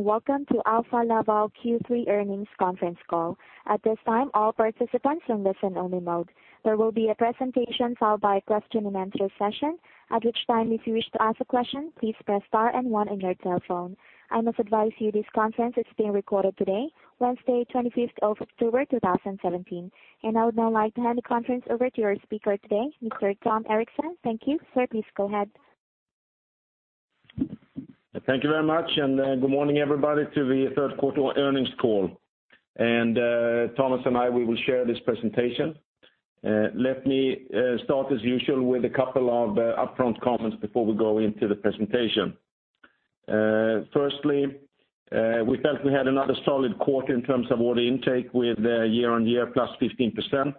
Welcome to Alfa Laval Q3 earnings conference call. At this time, all participants in listen-only mode. There will be a presentation followed by question and answer session. At which time if you wish to ask a question, please press star and one on your telephone. I must advise you this conference is being recorded today, Wednesday, 25th of October, 2017. I would now like to hand the conference over to your speaker today, Mr. Tom Erixon. Thank you. Sir, please go ahead. Thank you very much, good morning everybody to the third quarter earnings call. Thomas and I, we will share this presentation. Let me start as usual with a couple of upfront comments before we go into the presentation. Firstly, we felt we had another solid quarter in terms of order intake with year-on-year +15%.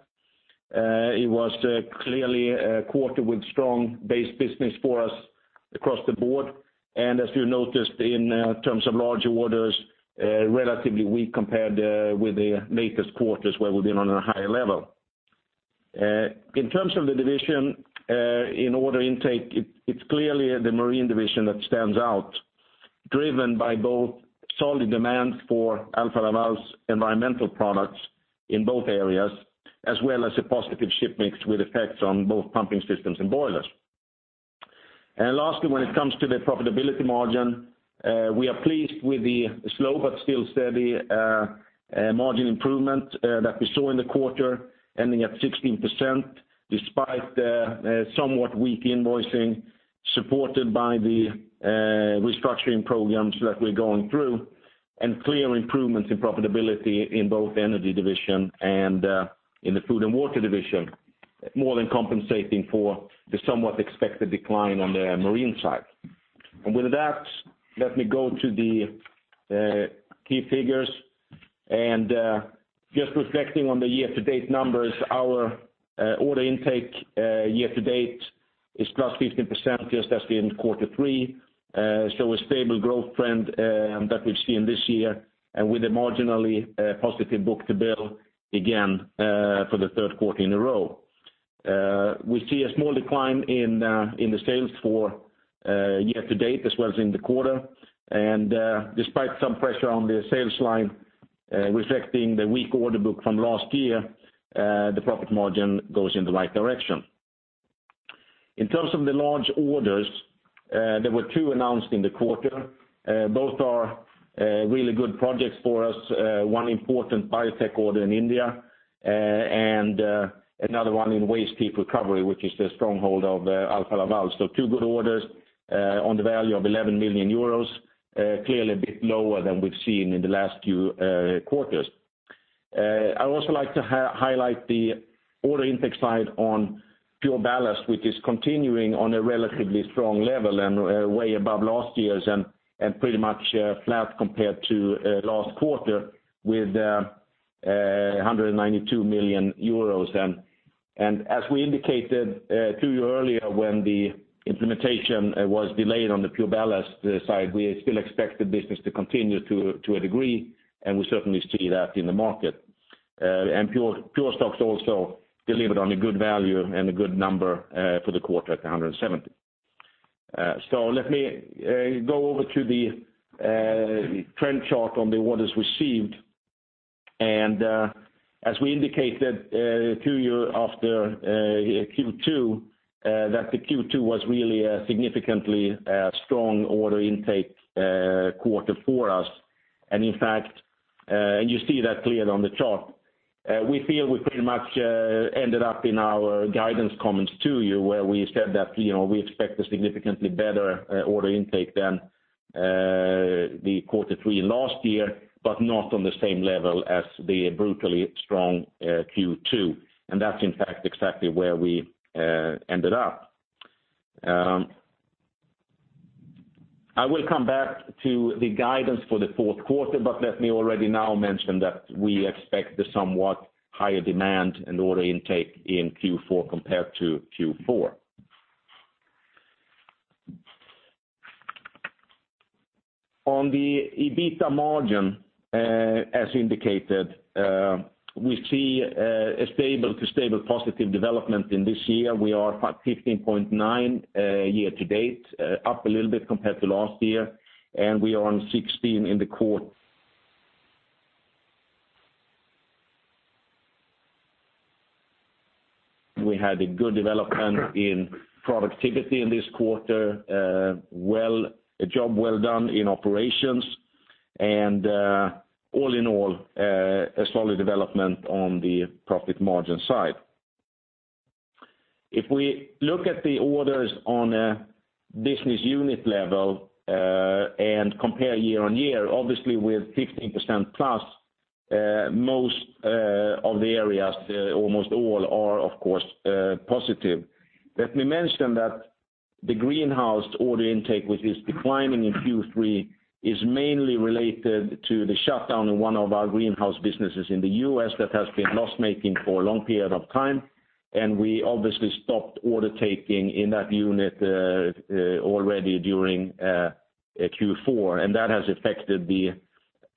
It was clearly a quarter with strong base business for us across the board, and as you noticed in terms of larger orders, relatively weak compared with the latest quarters where we've been on a higher level. In terms of the division in order intake, it's clearly the marine division that stands out, driven by both solid demand for Alfa Laval's environmental products in both areas, as well as a positive ship mix with effects on both pumping systems and boilers. Lastly, when it comes to the profitability margin, we are pleased with the slow but still steady, margin improvement that we saw in the quarter ending at 16%, despite the somewhat weak invoicing supported by the restructuring programs that we're going through. Clear improvements in profitability in both energy division and in the food and water division, more than compensating for the somewhat expected decline on the marine side. With that, let me go to the key figures. Just reflecting on the year-to-date numbers, our order intake year-to-date is +15%, just as in quarter three. A stable growth trend that we've seen this year, and with a marginally positive book-to-bill again for the third quarter in a row. We see a small decline in the sales for year-to-date as well as in the quarter. Despite some pressure on the sales line, reflecting the weak order book from last year, the profit margin goes in the right direction. In terms of the large orders, there were two announced in the quarter. Both are really good projects for us. One important biotech order in India, and another one in waste heat recovery, which is the stronghold of Alfa Laval. Two good orders, on the value of 11 million euros, clearly a bit lower than we've seen in the last few quarters. I also like to highlight the order intake side on PureBallast, which is continuing on a relatively strong level and way above last year's, and pretty much flat compared to last quarter with 192 million euros. And as we indicated to you earlier, when the implementation was delayed on the PureBallast side, we still expect the business to continue to a degree, and we certainly see that in the market. PureSOx also delivered on a good value and a good number for the quarter at 170. Let me go over to the trend chart on the orders received. As we indicated to you after Q2 was really a significantly strong order intake quarter for us. In fact, and you see that clear on the chart. We feel we pretty much ended up in our guidance comments to you where we said that we expect a significantly better order intake than Q3 last year, but not on the same level as the brutally strong Q2. That's in fact exactly where we ended up. I will come back to the guidance for the fourth quarter, but let me already now mention that we expect the somewhat higher demand and order intake in Q4 compared to Q4. On the EBITA margin, as indicated, we see a stable to stable positive development in this year. We are at 15.9% year-to-date, up a little bit compared to last year, and we are on 16% in the quarter. We had a good development in productivity in this quarter, a job well done in operations and all in all, a solid development on the profit margin side. If we look at the orders on a business unit level, and compare year-on-year, obviously with 15%+, most of the areas, almost all are of course, positive. Let me mention that the Greenhouse order intake, which is declining in Q3, is mainly related to the shutdown in one of our Greenhouse businesses in the U.S. that has been loss-making for a long period of time, and we obviously stopped order taking in that unit already during Q4. That has affected the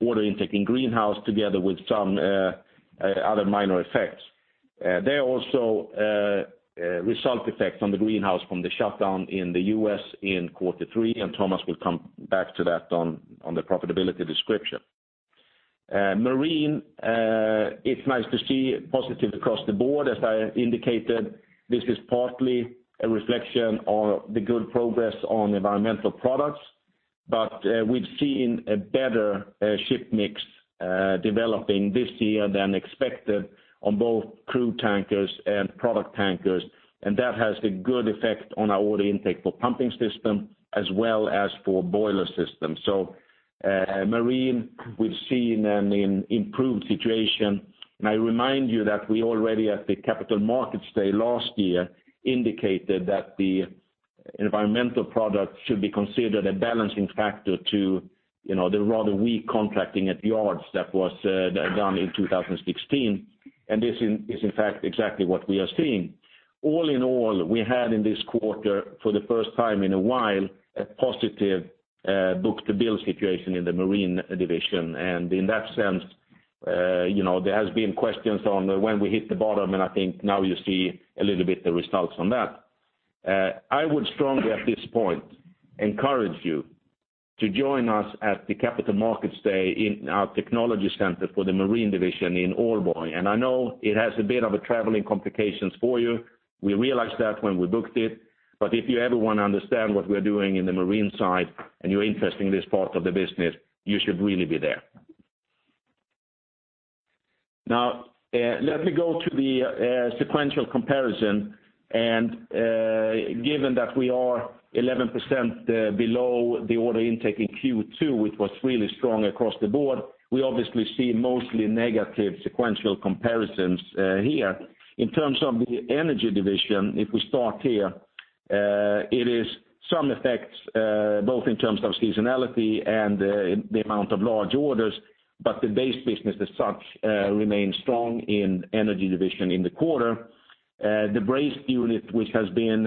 order intake in Greenhouse together with some other minor effects. There are also result effects on the Greenhouse from the shutdown in the U.S. in Q3, and Thomas will come back to that on the profitability description. Marine, it's nice to see positive across the board. As I indicated, this is partly a reflection on the good progress on environmental products, but we've seen a better ship mix developing this year than expected on both crude tankers and product tankers. That has a good effect on our order intake for pumping systems as well as for boiler systems. So Marine, we've seen an improved situation. I remind you that we already, at the Capital Markets Day last year, indicated that the environmental products should be considered a balancing factor to the rather weak contracting at yards that was done in 2016. This is in fact exactly what we are seeing. All in all, we had in this quarter, for the first time in a while, a positive book-to-bill situation in the Marine division. In that sense, there has been questions on when we hit the bottom, and I think now you see a little bit the results on that. I would strongly, at this point, encourage you to join us at the Capital Markets Day in our technology center for the Marine division in Aalborg. I know it has a bit of a traveling complications for you. We realized that when we booked it, but if you ever want to understand what we're doing in the marine side, and you're interested in this part of the business, you should really be there. Let me go to the sequential comparison. Given that we are 11% below the order intake in Q2, which was really strong across the board, we obviously see mostly negative sequential comparisons here. In terms of the Energy Division, if we start here, it is some effects, both in terms of seasonality and the amount of large orders, but the base business as such, remains strong in Energy Division in the quarter. The brazed unit, which has been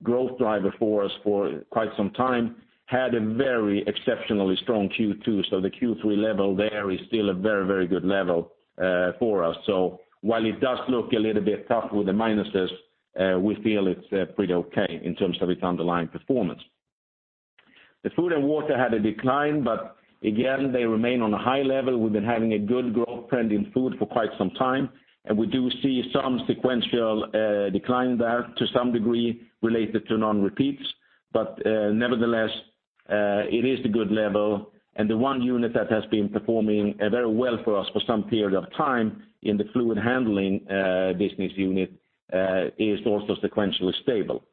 a growth driver for us for quite some time, had a very exceptionally strong Q2. The Q3 level there is still a very good level for us. While it does look a little bit tough with the minuses, we feel it's pretty okay in terms of its underlying performance. The Food and Water had a decline, but again, they remain on a high level. We've been having a good growth trend in food for quite some time. We do see some sequential decline there to some degree related to non-repeats, but nevertheless, it is a good level. The one unit that has been performing very well for us for some period of time in the fluid handling business unit, is also sequentially stable.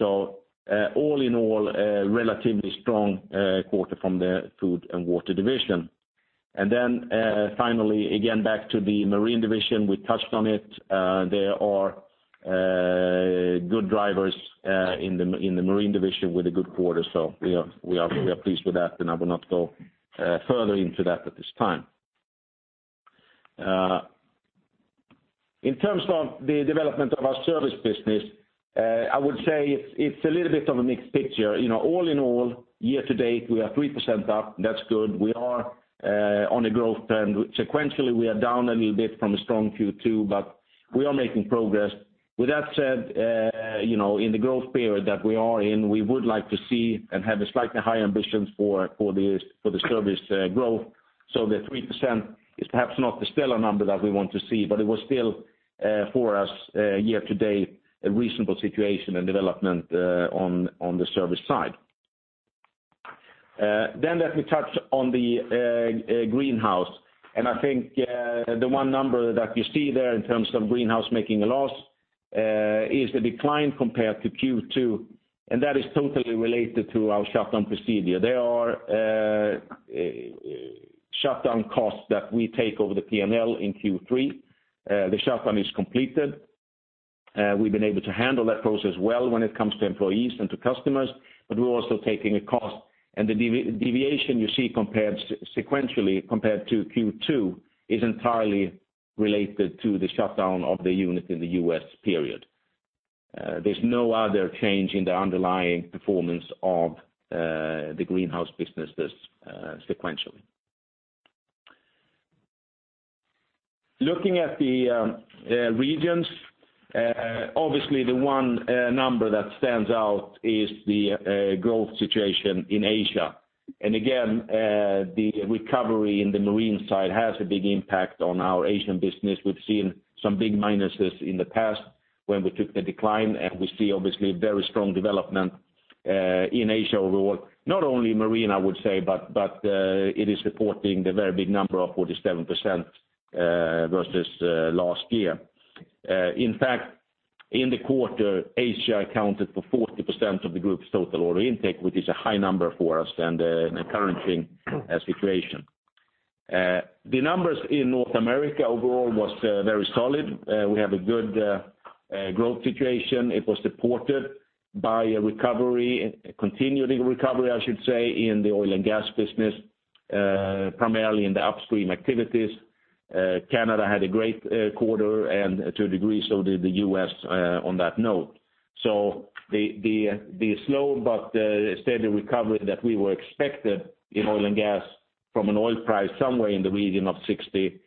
All in all, a relatively strong quarter from the Food and Water Division. Finally, again, back to the Marine Division. We touched on it. There are good drivers in the Marine Division with a good quarter. We are pleased with that, and I will not go further into that at this time. In terms of the development of our service business, I would say it's a little bit of a mixed picture. All in all, year to date, we are 3% up. That's good. We are on a growth trend. Sequentially, we are down a little bit from a strong Q2, but we are making progress. With that said, in the growth period that we are in, we would like to see and have a slightly higher ambitions for the service growth. The 3% is perhaps not the stellar number that we want to see, but it was still, for us, year to date, a reasonable situation and development on the service side. Let me touch on the Greenhouse. I think the one number that you see there in terms of Greenhouse making a loss, is the decline compared to Q2. That is totally related to our shutdown procedure. There are shutdown costs that we take over the P&L in Q3. The shutdown is completed. We've been able to handle that process well when it comes to employees and to customers, but we're also taking a cost. The deviation you see sequentially compared to Q2 is entirely related to the shutdown of the unit in the U.S., period. There's no other change in the underlying performance of the Greenhouse business sequentially. Looking at the regions, obviously the one number that stands out is the growth situation in Asia. Again, the recovery in the Marine side has a big impact on our Asian business. We've seen some big minuses in the past when we took the decline. We see obviously a very strong development in Asia overall, not only marine, I would say, but it is reporting the very big number of 47% versus last year. In fact, in the quarter, Asia accounted for 40% of the group's total order intake, which is a high number for us and the current situation. The numbers in North America overall was very solid. We have a good growth situation. It was supported by a continuing recovery, I should say, in the oil and gas business, primarily in the upstream activities. Canada had a great quarter, and to a degree, so did the U.S. on that note. The slow but steady recovery that we were expected in oil and gas from an oil price somewhere in the region of 60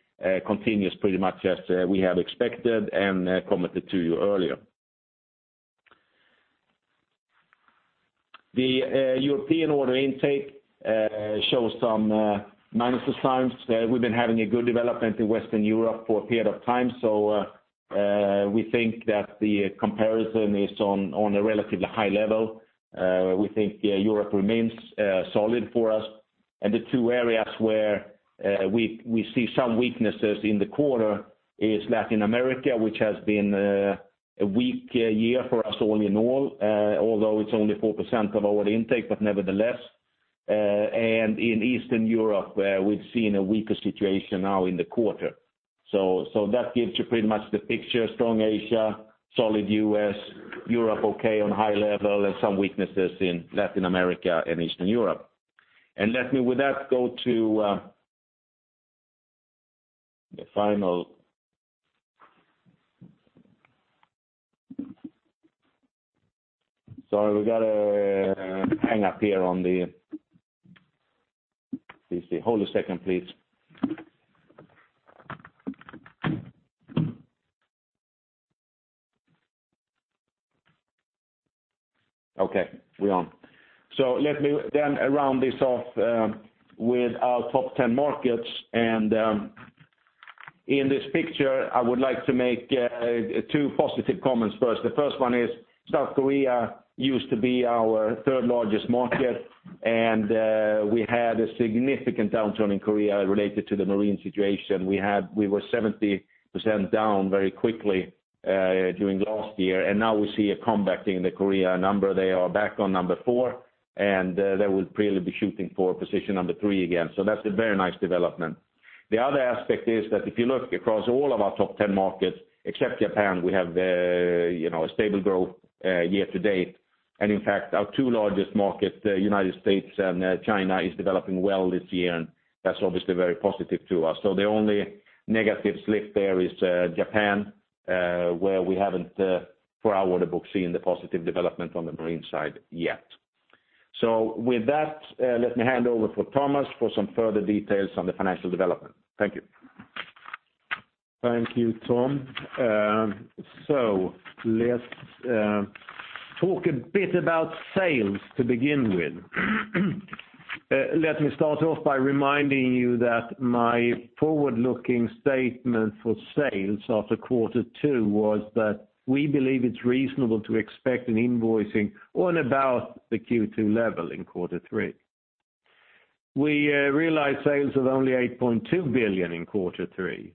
continues pretty much as we had expected and committed to you earlier. The European order intake shows some minus signs. We've been having a good development in Western Europe for a period of time. We think that the comparison is on a relatively high level. We think Europe remains solid for us. The two areas where we see some weaknesses in the quarter is Latin America, which has been a weak year for us all in all, although it's only 4% of our intake, but nevertheless. In Eastern Europe, where we've seen a weaker situation now in the quarter. That gives you pretty much the picture, strong Asia, solid U.S., Europe okay on high level, and some weaknesses in Latin America and Eastern Europe. Let me with that, go to the final. Sorry, we got a hang-up here on the PC. Hold a second, please. Okay, we're on. Let me then round this off with our top 10 markets. In this picture, I would like to make two positive comments first. The first one is South Korea used to be our third largest market, and we had a significant downturn in Korea related to the marine situation. We were 70% down very quickly during last year, and now we see a comeback in the Korea number. They are back on number 4, and they will really be shooting for position number 3 again. That's a very nice development. The other aspect is that if you look across all of our top 10 markets, except Japan, we have a stable growth year-to-date. In fact, our two largest markets, United States and China, is developing well this year, and that's obviously very positive to us. The only negative slip there is Japan, where we haven't, for our order book, seen the positive development on the marine side yet. With that, let me hand over for Thomas for some further details on the financial development. Thank you. Thank you, Tom. Let's talk a bit about sales to begin with. Let me start off by reminding you that my forward-looking statement for sales after quarter 2 was that we believe it's reasonable to expect an invoicing on about the Q2 level in quarter 3. We realized sales of only 8.2 billion in quarter 3,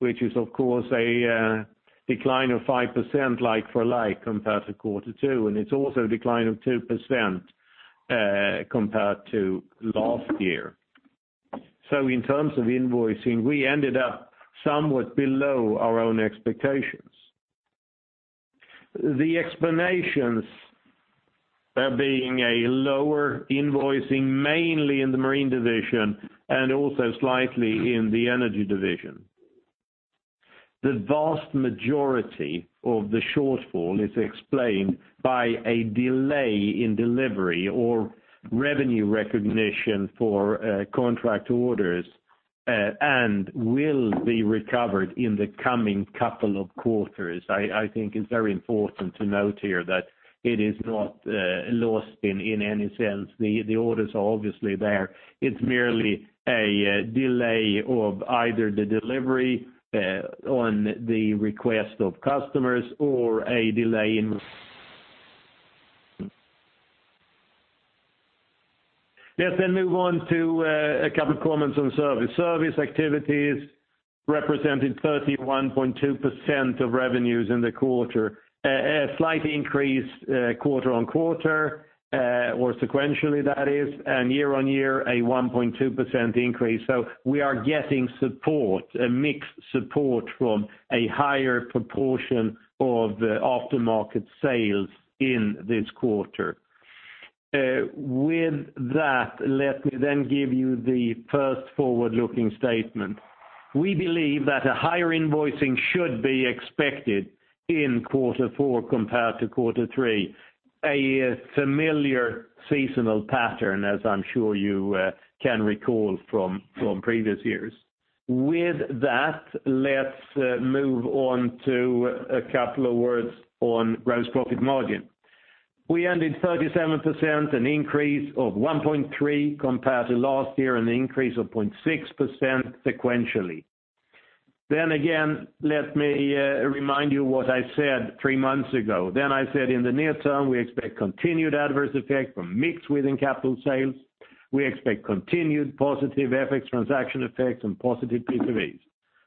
which is, of course, a decline of 5% like-for-like compared to quarter 2, and it's also a decline of 2% compared to last year. In terms of invoicing, we ended up somewhat below our own expectations. The explanations being a lower invoicing mainly in the marine division and also slightly in the energy division. The vast majority of the shortfall is explained by a delay in delivery or revenue recognition for contract orders, and will be recovered in the coming couple of quarters. I think it's very important to note here that it is not lost in any sense. The orders are obviously there. It's merely a delay of either the delivery on the request of customers or a delay. Let's move on to a couple of comments on service. Service activities represented 31.2% of revenues in the quarter. A slight increase quarter-on-quarter, or sequentially that is, and year-on-year, a 1.2% increase. We are getting support, a mixed support from a higher proportion of the aftermarket sales in this quarter. With that, let me give you the first forward-looking statement. We believe that a higher invoicing should be expected in quarter 4 compared to quarter 3, a familiar seasonal pattern, as I'm sure you can recall from previous years. With that, let's move on to a couple of words on gross profit margin. We ended 37%, an increase of 1.3 percentage points compared to last year and an increase of 0.6% sequentially. Again, let me remind you what I said three months ago. I said, in the near term, we expect continued adverse effect from mix within capital sales. We expect continued positive FX transaction effects and positive PCV.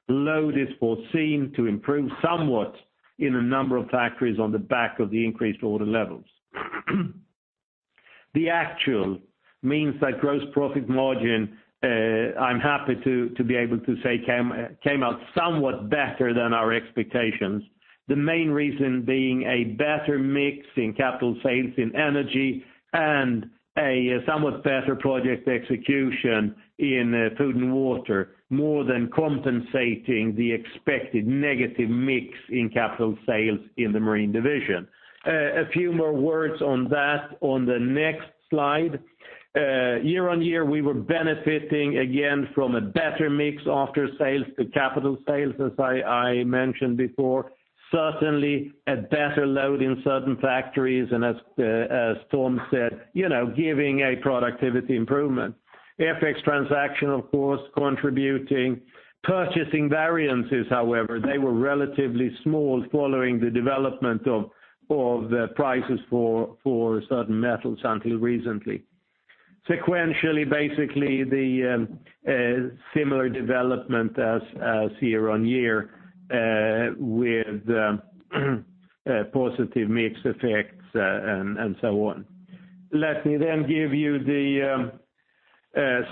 Load is foreseen to improve somewhat in a number of factories on the back of the increased order levels. The actual means that gross profit margin, I'm happy to be able to say, came out somewhat better than our expectations. The main reason being a better mix in capital sales in energy, and a somewhat better project execution in food and water, more than compensating the expected negative mix in capital sales in the marine division. A few more words on that on the next slide. Year-on-year, we were benefiting again from a better mix aftermarket sales to capital sales, as I mentioned before. Certainly, a better load in certain factories, and as Tom said, giving a productivity improvement. FX transaction, of course, contributing. Purchasing variances, however, they were relatively small following the development of the prices for certain metals until recently. Sequentially, basically the similar development as year-on-year with positive mix effects and so on. Let me give you the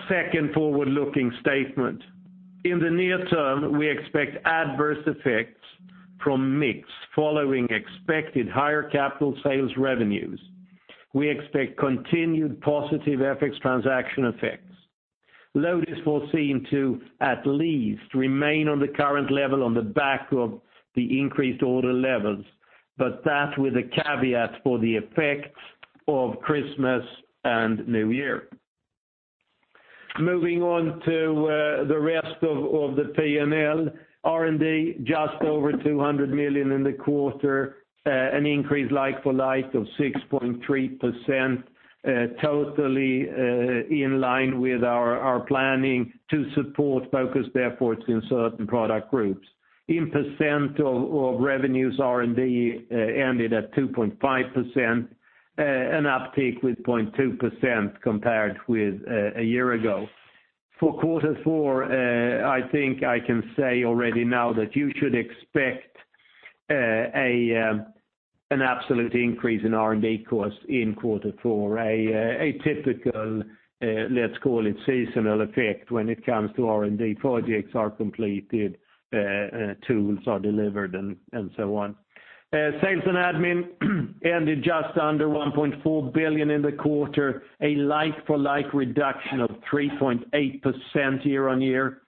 second forward-looking statement. In the near term, we expect adverse effects from mix following expected higher capital sales revenues. We expect continued positive FX transaction effects. Load is foreseen to at least remain on the current level on the back of the increased order levels, but that with a caveat for the effects of Christmas and New Year. Moving on to the rest of the P&L. R&D, just over 200 million in the quarter. An increase like-for-like of 6.3%, totally in line with our planning to support focused efforts in certain product groups. In percent of revenues, R&D ended at 2.5%, an uptick with 0.2% compared with a year ago. For quarter four, I think I can say already now that you should expect an absolute increase in R&D costs in quarter four. A typical, let's call it seasonal effect when it comes to R&D projects are completed, tools are delivered and so on. S&A ended just under 1.4 billion in the quarter, a like-for-like reduction of 3.8% year-over-year,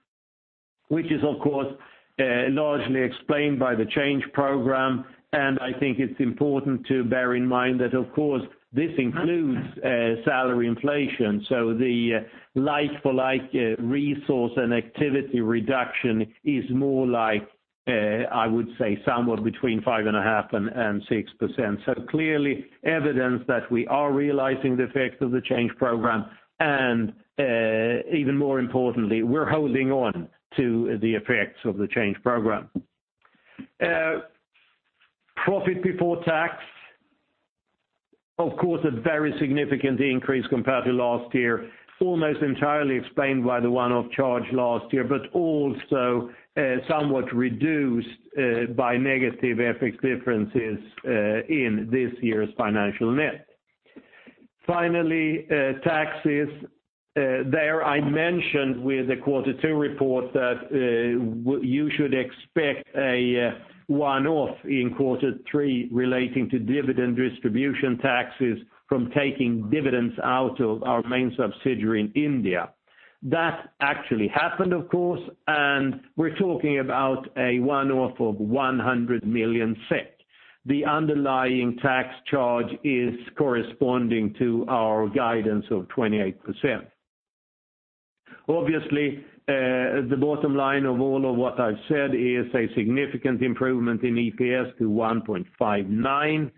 which is of course largely explained by the change program. I think it's important to bear in mind that, of course, this includes salary inflation. The like-for-like resource and activity reduction is more like, I would say, somewhat between 5.5%-6%. Clearly evidence that we are realizing the effects of the change program, and even more importantly, we're holding on to the effects of the change program. Profit before tax, of course, a very significant increase compared to last year, almost entirely explained by the one-off charge last year, but also somewhat reduced by negative FX differences in this year's financial net. Finally, taxes. There I mentioned with the quarter two report that you should expect a one-off in quarter three relating to dividend distribution taxes from taking dividends out of our main subsidiary in India. That actually happened, of course, and we're talking about a one-off of 100 million SEK. The underlying tax charge is corresponding to our guidance of 28%. Obviously, the bottom line of all of what I've said is a significant improvement in EPS to 1.59.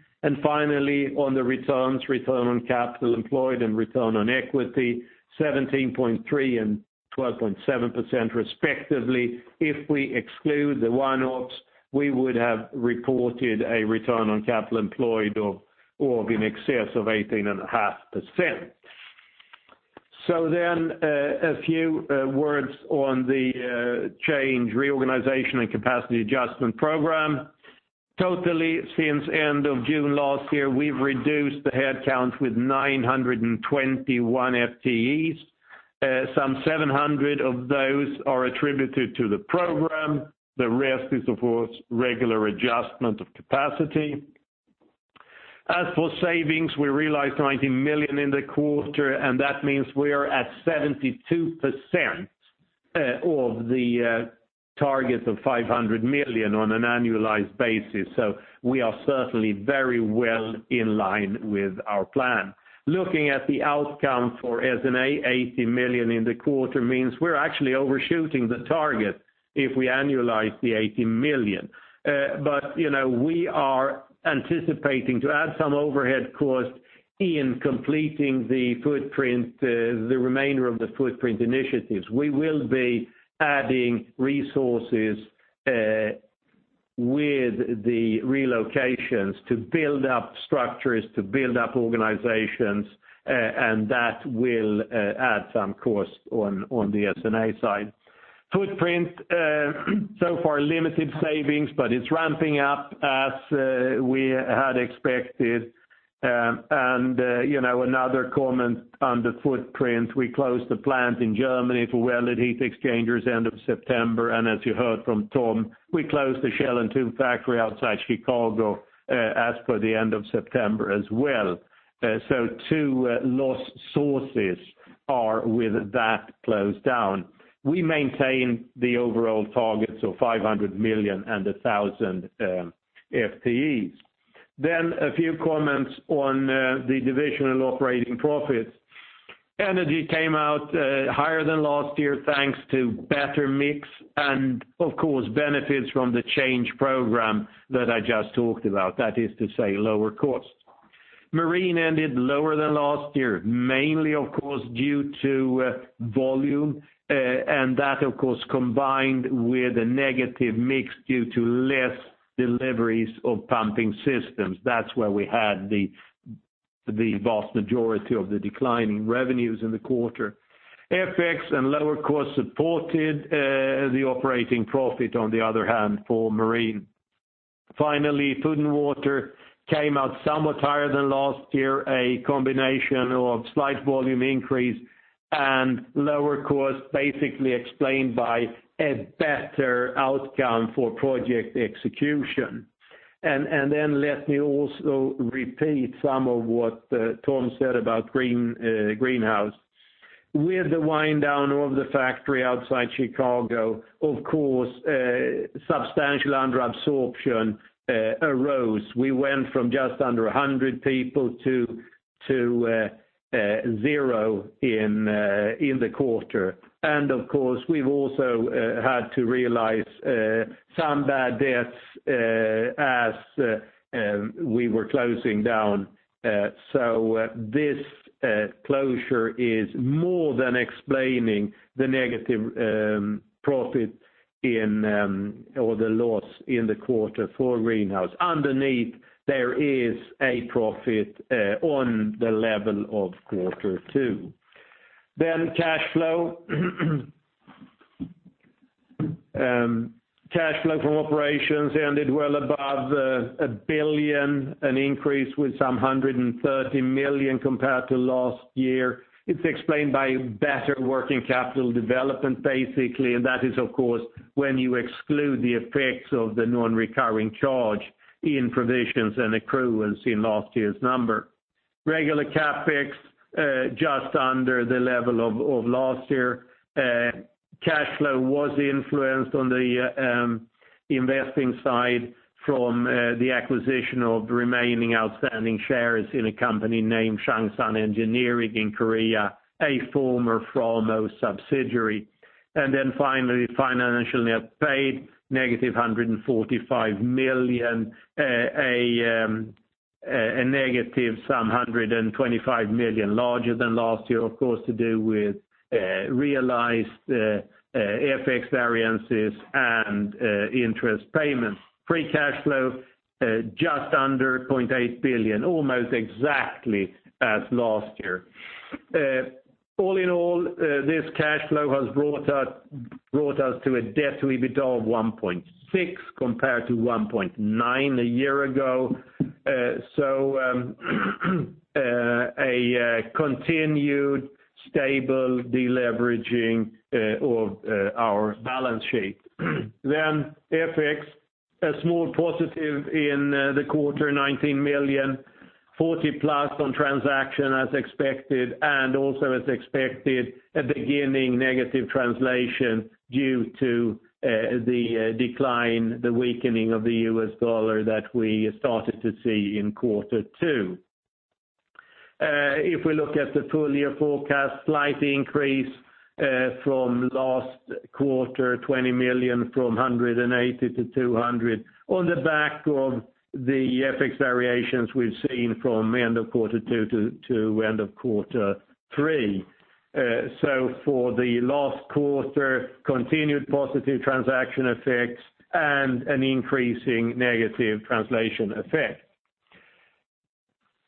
Finally, on the returns, return on capital employed and return on equity, 17.3% and 12.7% respectively. If we exclude the one-offs, we would have reported a return on capital employed of an excess of 18.5%. A few words on the change reorganization and capacity adjustment program. Totally since end of June last year, we've reduced the headcount with 921 FTEs. Some 700 of those are attributed to the program. The rest is, of course, regular adjustment of capacity. As for savings, we realized 90 million in the quarter, and that means we are at 72% of the target of 500 million on an annualized basis. We are certainly very well in line with our plan. Looking at the outcome for S&A, 80 million in the quarter means we're actually overshooting the target if we annualize the 80 million. We are anticipating to add some overhead cost in completing the remainder of the footprint initiatives. We will be adding resources with the relocations to build up structures, to build up organizations, and that will add some cost on the S&A side. Footprint, so far limited savings, but it's ramping up as expected. Another comment on the footprint, we closed the plant in Germany for welded heat exchangers end of September. As you heard from Tom, we closed the shell and tube factory outside Chicago as per the end of September as well. Two lost sources are with that closed down. We maintain the overall targets of 500 million and 1,000 FTEs. A few comments on the divisional operating profits. Energy came out higher than last year, thanks to better mix and of course, benefits from the change program that I just talked about. That is to say, lower cost. Marine ended lower than last year, mainly of course, due to volume, and that, of course, combined with a negative mix due to less deliveries of pumping systems. That's where we had the vast majority of the decline in revenues in the quarter. FX and lower cost supported the operating profit on the other hand, for Marine. Finally, Food and Water came out somewhat higher than last year, a combination of slight volume increase and lower cost, basically explained by a better outcome for project execution. Let me also repeat some of what Tom said about Greenhouse. With the wind down of the factory outside Chicago, of course, substantial under absorption arose. We went from just under 100 people to zero in the quarter. Of course, we've also had to realize some bad debts as we were closing down. This closure is more than explaining the negative profit or the loss in the quarter for Greenhouse. Underneath, there is a profit on the level of quarter two. Cash flow. Cash flow from operations ended well above 1 billion, an increase with some 130 million compared to last year. It's explained by better working capital development, basically, and that is, of course, when you exclude the effects of the non-recurring charge in provisions and accruals in last year's number. Regular CapEx, just under the level of last year. Cash flow was influenced on the investing side from the acquisition of remaining outstanding shares in a company named Changsan Engineering in Korea, a former Framo subsidiary. Finally, financial net paid negative 145 million, a negative some 125 million larger than last year, of course, to do with realized FX variances and interest payments. Free cash flow, just under 0.8 billion, almost exactly as last year. All in all, this cash flow has brought us to a debt EBITDA of 1.6 compared to 1.9 a year ago. A continued stable deleveraging of our balance sheet. FX, a small positive in the quarter, 19 million, 40 plus on transaction as expected, and also as expected, a beginning negative translation due to the decline, the weakening of the US dollar that we started to see in quarter two. If we look at the full year forecast, slight increase from last quarter, 20 million from 180 to 200, on the back of the FX variations we've seen from end of quarter two to end of quarter three. For the last quarter, continued positive transaction effects and an increasing negative translation effect.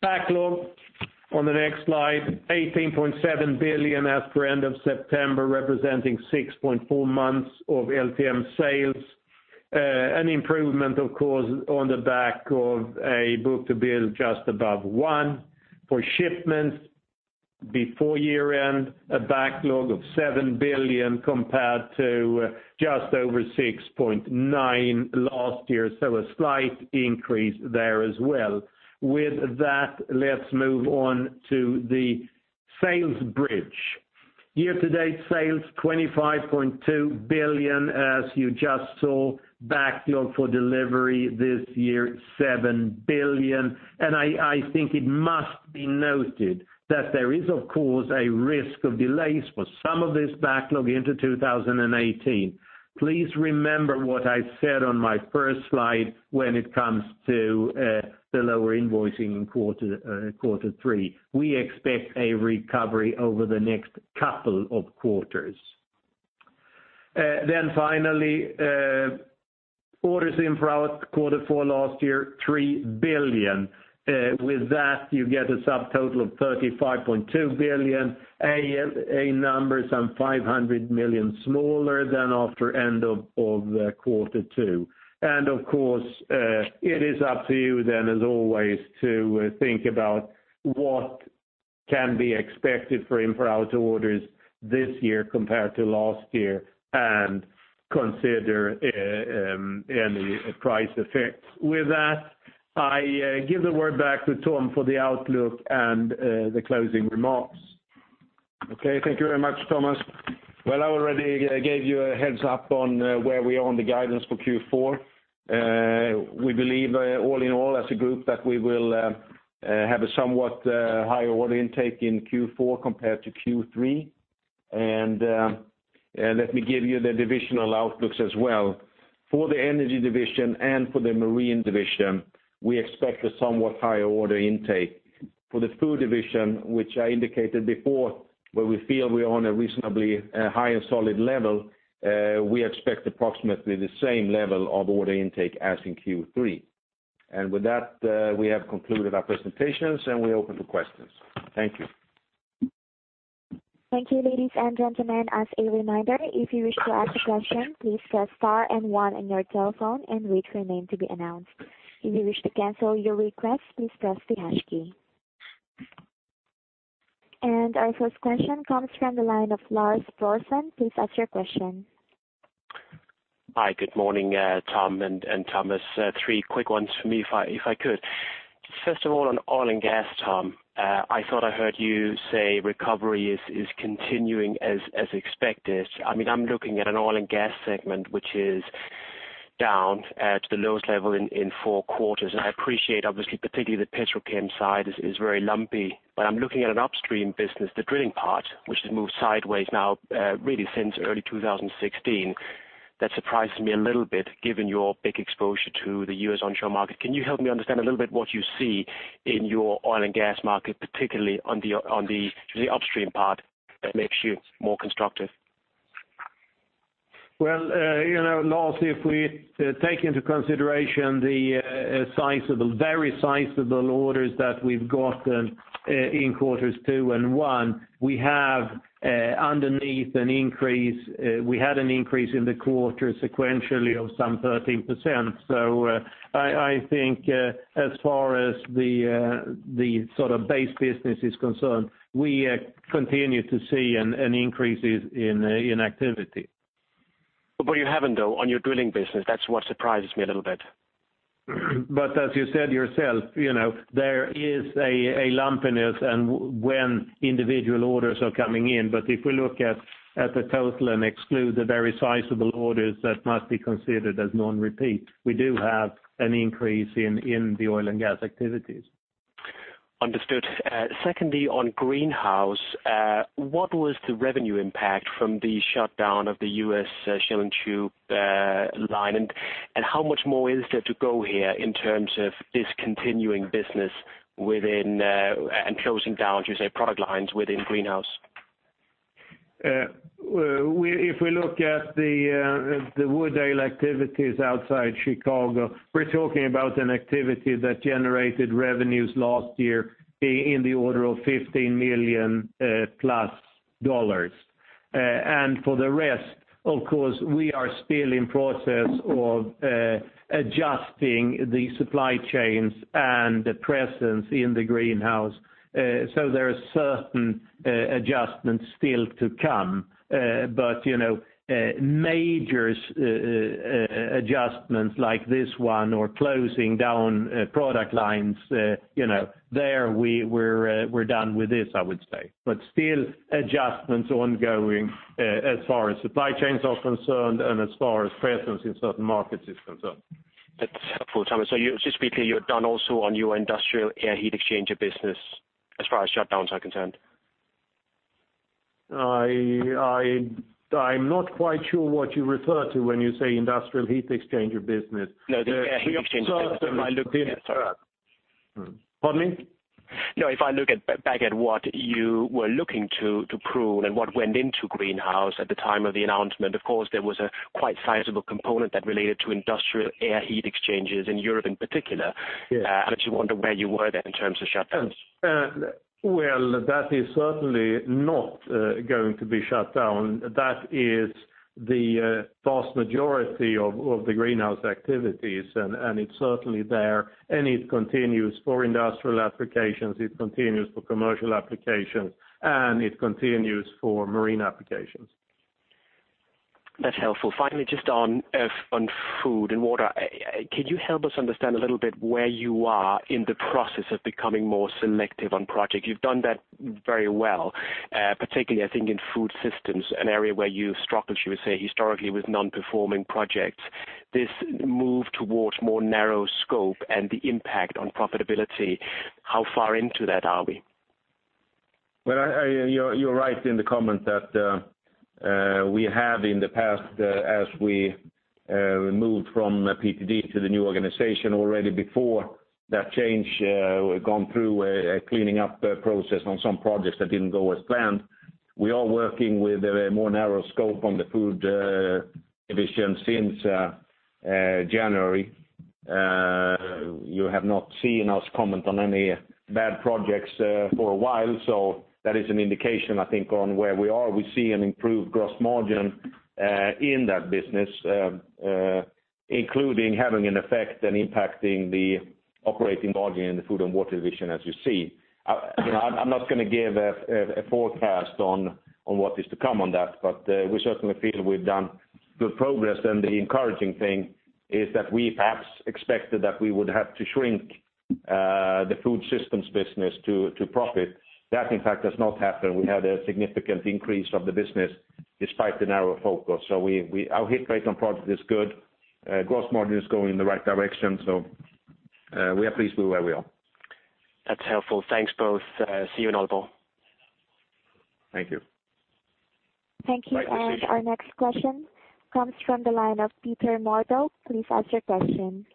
Backlog on the next slide, 18.7 billion as per end of September, representing 6.4 months of LTM sales. An improvement, of course, on the back of a book-to-bill of just above one. For shipments before year-end, a backlog of 7 billion compared to just over 6.9 billion last year. A slight increase there as well. With that, let's move on to the sales bridge. Year-to-date sales, 25.2 billion as you just saw, backlog for delivery this year, 7 billion. I think it must be noted that there is, of course, a risk of delays for some of this backlog into 2018. Please remember what I said on my first slide when it comes to the lower invoicing in quarter three. We expect a recovery over the next couple of quarters. Finally, orders in for quarter four last year, 3 billion. With that, you get a subtotal of 35.2 billion, a number some 500 million smaller than after end of quarter two. Of course, it is up to you then, as always, to think about what can be expected for in for out orders this year compared to last year, and consider any price effects. With that, I give the word back to Tom for the outlook and the closing remarks. Okay, thank you very much, Thomas. Well, I already gave you a heads up on where we are on the guidance for Q4. We believe all in all as a group that we will have a somewhat higher order intake in Q4 compared to Q3. Let me give you the divisional outlooks as well. For the energy division and for the marine division, we expect a somewhat higher order intake. For the food division, which I indicated before, where we feel we are on a reasonably high and solid level, we expect approximately the same level of order intake as in Q3. With that, we have concluded our presentations, and we open to questions. Thank you. Thank you, ladies and gentlemen. As a reminder, if you wish to ask a question, please press star and one on your telephone and wait for your name to be announced. If you wish to cancel your request, please press the hash key. Our first question comes from the line of Lars Brorson. Please ask your question. Hi, good morning, Tom and Thomas. Three quick ones for me if I could. First of all, on oil and gas, Tom, I thought I heard you say recovery is continuing as expected. I'm looking at an oil and gas segment, which is down at the lowest level in four quarters, and I appreciate obviously particularly the petrochem side is very lumpy. I'm looking at an upstream business, the drilling part, which has moved sideways now really since early 2016. That surprises me a little bit given your big exposure to the U.S. onshore market. Can you help me understand a little bit what you see in your oil and gas market, particularly on the upstream part that makes you more constructive? Well, Lars, if we take into consideration the very sizable orders that we've gotten in quarters two and one, We had an increase in the quarter sequentially of some 13%. I think, as far as the sort of base business is concerned, we continue to see an increases in activity. You haven't though, on your drilling business. That's what surprises me a little bit. As you said yourself, there is a lumpiness and when individual orders are coming in. If we look at the total and exclude the very sizable orders that must be considered as non-repeat, we do have an increase in the oil and gas activities. Understood. Secondly, on Greenhouse, what was the revenue impact from the shutdown of the U.S. shell and tube line, and how much more is there to go here in terms of discontinuing business within, and closing down should say, product lines within Greenhouse? If we look at the Wood Dale activities outside Chicago, we're talking about an activity that generated revenues last year in the order of $15 million plus. For the rest, of course, we are still in process of adjusting the supply chains and the presence in the Greenhouse. There are certain adjustments still to come. Major adjustments, like this one or closing down product lines, there we're done with this, I would say. Still adjustments ongoing as far as supply chains are concerned and as far as presence in certain markets is concerned. That's helpful, Tom. Just quickly, you're done also on your industrial air heat exchanger business as far as shutdowns are concerned? I'm not quite sure what you refer to when you say industrial heat exchanger business. No, the air heat exchanger business. Pardon me? If I look at back at what you were looking to prune and what went into Greenhouse at the time of the announcement, of course, there was a quite sizable component that related to industrial air heat exchangers in Europe in particular. Yes. I actually wonder where you were then in terms of shutdowns. That is certainly not going to be shut down. That is the vast majority of the Greenhouse activities, and it's certainly there, and it continues for industrial applications, it continues for commercial applications, and it continues for marine applications. That's helpful. Finally, just on food and water, can you help us understand a little bit where you are in the process of becoming more selective on project? You've done that very well, particularly I think in food systems, an area where you've struggled, should we say, historically with non-performing projects. This move towards more narrow scope and the impact on profitability, how far into that are we? Well, you're right in the comment that we have in the past, as we moved from PTD to the new organization already before that change, gone through a cleaning up process on some projects that didn't go as planned. We are working with a more narrow scope on the food division since January. You have not seen us comment on any bad projects for a while, so that is an indication, I think, on where we are. We see an improved gross margin in that business. Including having an effect and impacting the operating margin in the food and water division, as you see. I'm not going to give a forecast on what is to come on that, but we certainly feel we've done good progress. The encouraging thing is that we perhaps expected that we would have to shrink the food systems business to profit. That in fact does not happen. We had a significant increase of the business despite the narrow focus. Our hit rate on project is good. Gross margin is going in the right direction, we are pleased with where we are. That's helpful. Thanks both. See you in Aalborg. Thank you. Thank you. Bye. Our next question comes from the line of Peter Nordell. Please ask your question.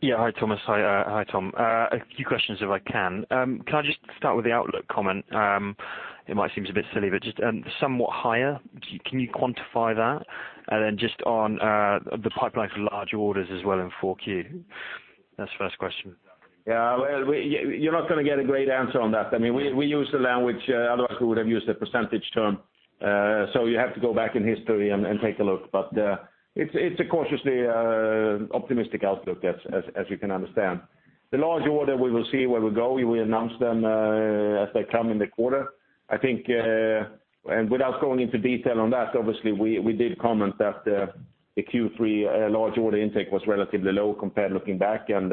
Yeah. Hi, Thomas. Hi, Tom. A few questions, if I can. Can I just start with the outlook comment? It might seem a bit silly, but just somewhat higher. Can you quantify that? Then just on the pipeline for larger orders as well in 4Q. That's the first question. Yeah. You're not going to get a great answer on that. We use the language, otherwise we would have used a percentage term. You have to go back in history and take a look. It's a cautiously optimistic outlook as you can understand. The larger order, we will see where we go. We announce them as they come in the quarter. I think, and without going into detail on that, obviously, we did comment that the Q3 large order intake was relatively low compared looking back, and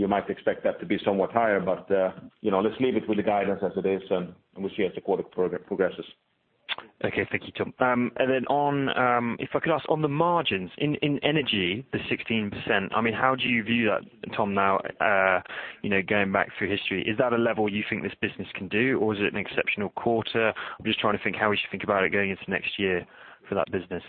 you might expect that to be somewhat higher, but let's leave it with the guidance as it is, and we'll see as the quarter progresses. Okay. Thank you, Tom. If I could ask on the margins in energy, the 16%, how do you view that, Tom, now going back through history? Is that a level you think this business can do, or is it an exceptional quarter? I'm just trying to think how we should think about it going into next year for that business.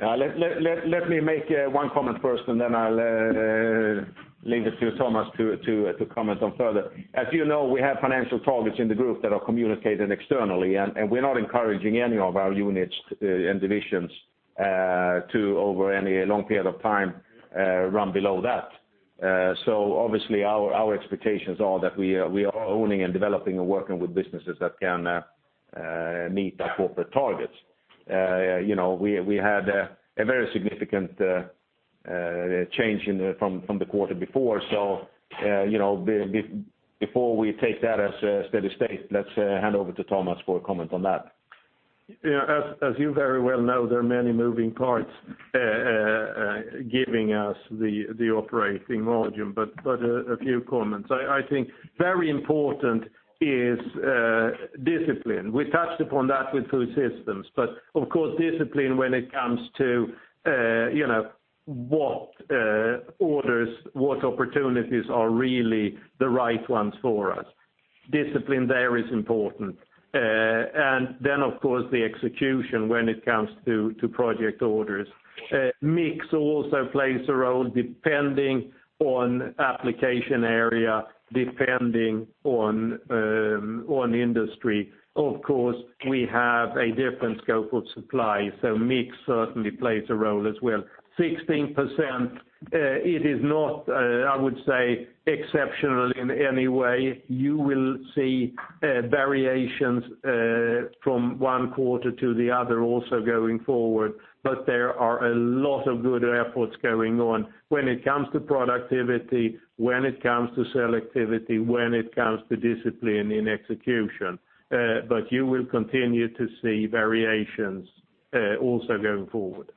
Let me make one comment first, and then I'll leave it to Tomas to comment on further. As you know, we have financial targets in the group that are communicated externally, and we're not encouraging any of our units and divisions to, over any long period of time, run below that. Obviously our expectations are that we are owning and developing and working with businesses that can meet the corporate targets. We had a very significant change from the quarter before. Before we take that as a steady state, let's hand over to Tomas for a comment on that. As you very well know, there are many moving parts giving us the operating margin. A few comments. I think very important is discipline. We touched upon that with food systems, but of course, discipline when it comes to what orders, what opportunities are really the right ones for us. Discipline there is important. Of course, the execution when it comes to project orders. Mix also plays a role depending on application area, depending on industry. Of course, we have a different scope of supply, so mix certainly plays a role as well. 16%, it is not, I would say, exceptional in any way. You will see variations from one quarter to the other also going forward. There are a lot of good efforts going on when it comes to productivity, when it comes to selectivity when it comes to discipline in execution. You will continue to see variations also going forward.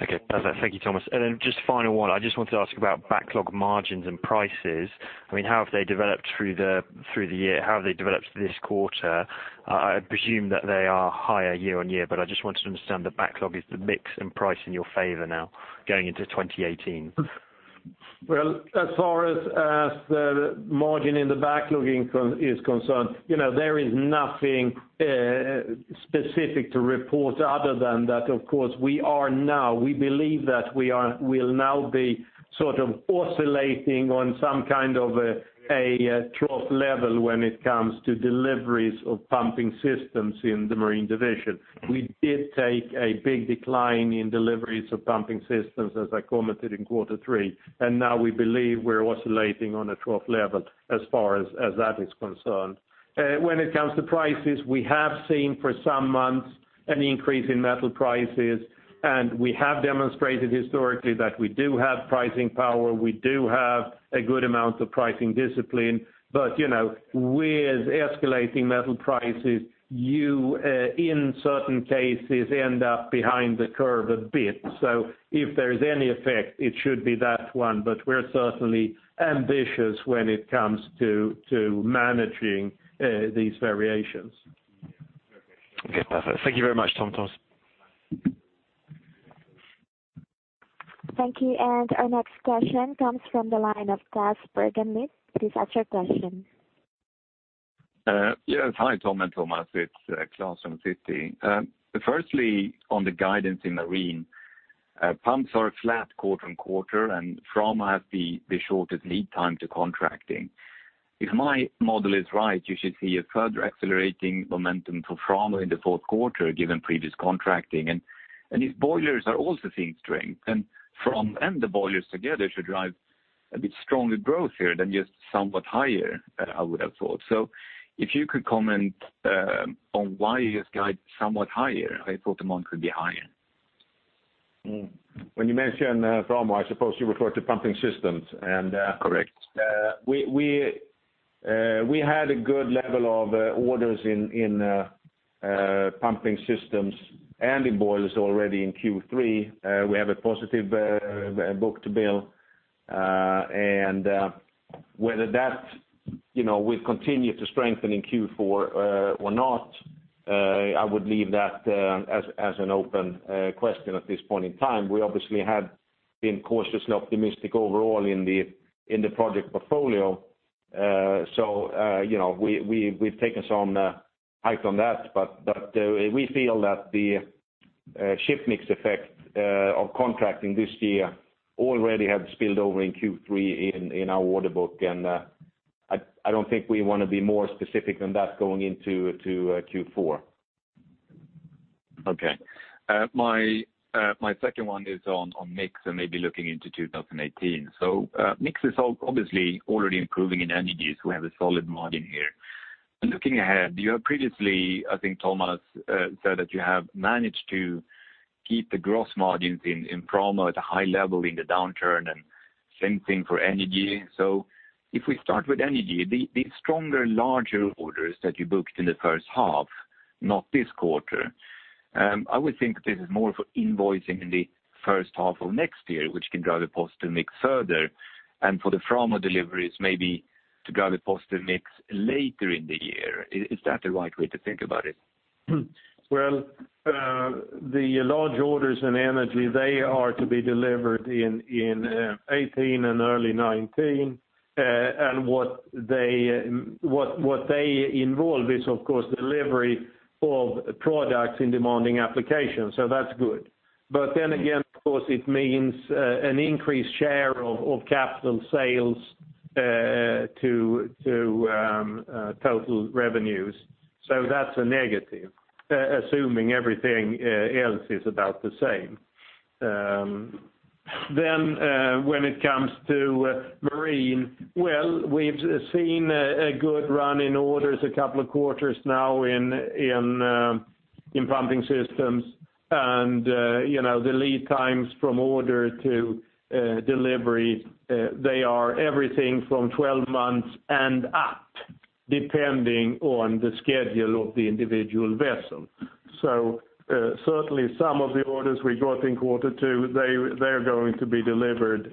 Okay, perfect. Thank you, Tom. Then just final one, I just wanted to ask about backlog margins and prices. How have they developed through the year? How have they developed this quarter? I presume that they are higher year-on-year, but I just wanted to understand the backlog. Is the mix and price in your favor now going into 2018? As far as the margin in the backlogging is concerned, there is nothing specific to report other than that, of course, we believe that we'll now be oscillating on some kind of a trough level when it comes to deliveries of pumping systems in the marine division. We did take a big decline in deliveries of pumping systems, as I commented in quarter 3, and now we believe we're oscillating on a trough level as far as that is concerned. When it comes to prices, we have seen for some months an increase in metal prices, and we have demonstrated historically that we do have pricing power. We do have a good amount of pricing discipline, but with escalating metal prices, you in certain cases end up behind the curve a bit. If there's any effect, it should be that one, but we're certainly ambitious when it comes to managing these variations. Okay, perfect. Thank you very much, Tom, Tomas. Thank you. Our next question comes from the line of Klas Bergelind. Please ask your question. Yes. Hi, Tom and Tomas. It's Klas from Citi. Firstly, on the guidance in marine. Pumps are flat quarter-on-quarter. Framo has the shortest lead time to contracting. If my model is right, you should see a further accelerating momentum for Framo in the fourth quarter given previous contracting. If boilers are also seeing strength, and Framo and the boilers together should drive a bit stronger growth here than just somewhat higher than I would have thought. If you could comment on why you guys guide somewhat higher, I thought the margin could be higher. When you mention Framo, I suppose you refer to pumping systems. Correct. We had a good level of orders in pumping systems and in boilers already in Q3. We have a positive book-to-bill. Whether that will continue to strengthen in Q4 or not, I would leave that as an open question at this point in time. We obviously had been cautiously optimistic overall in the project portfolio. We've taken some height on that, but we feel that the ship mix effect of contracting this year already had spilled over in Q3 in our order book, and I don't think we want to be more specific than that going into Q4. Okay. My second one is on mix and maybe looking into 2018. Mix is obviously already improving in Energy. We have a solid margin here. Looking ahead, you have previously, I think Tom said that you have managed to keep the gross margins in Framo at a high level in the downturn, and same thing for energy. If we start with energy, the stronger, larger orders that you booked in the first half, not this quarter, I would think this is more for invoicing in the first half of next year, which can drive the positive mix further. For the Framo deliveries, maybe to drive the positive mix later in the year. Is that the right way to think about it? Well, the large orders in energy, they are to be delivered in 2018 and early 2019. What they involve is, of course, delivery of products in demanding applications. That's good. Again, of course, it means an increased share of capital sales to total revenues. That's a negative, assuming everything else is about the same. When it comes to marine, well, we've seen a good run in orders a couple of quarters now in pumping systems, and the lead times from order to delivery, they are everything from 12 months and up, depending on the schedule of the individual vessel. Certainly some of the orders we got in quarter two, they're going to be delivered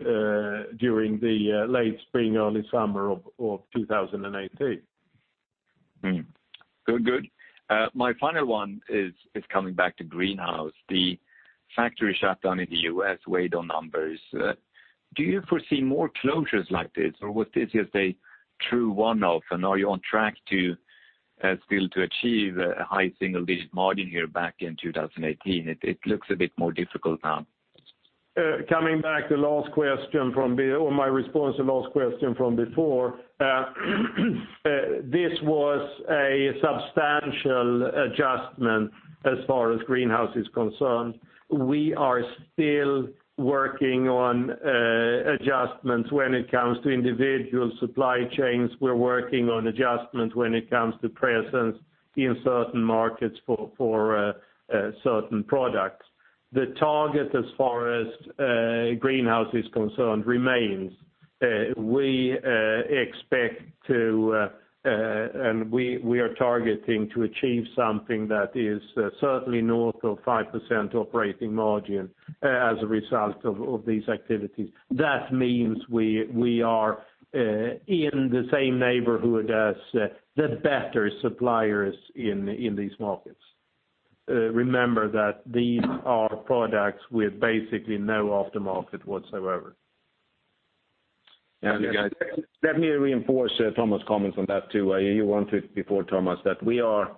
during the late spring, early summer of 2018. Good. My final one is coming back to Greenhouse. The factory shutdown in the U.S. weighed on numbers. Do you foresee more closures like this, or was this just a true one-off, and are you on track to still achieve a high single-digit margin here back in 2018? It looks a bit more difficult now. Coming back to the last question from before, my response to the last question from before, this was a substantial adjustment as far as Greenhouse is concerned. We are still working on adjustments when it comes to individual supply chains. We're working on adjustments when it comes to presence in certain markets for certain products. The target as far as Greenhouse is concerned remains. We expect to, and we are targeting to achieve something that is certainly north of 5% operating margin as a result of these activities. That means we are in the same neighborhood as the better suppliers in these markets. Remember that these are products with basically no aftermarket whatsoever. You guys- Let me reinforce Tom's comments on that, too. You wanted before, Tom, that we are